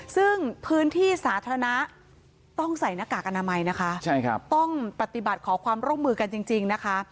ซึ่งพื้นที่สาธารณะต้องใส่หน้ากากอนามัยนะคะต้องปฏิบัติขอความร่วมมือกันจริงนะคะ